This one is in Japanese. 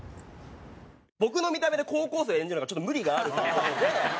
僕の見た目で高校生を演じるのがちょっと無理があるって事で。